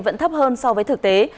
vẫn thấp hơn so với thực tế